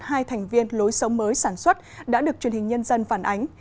hai thành viên lối sống mới sản xuất đã được truyền hình nhân dân phản ánh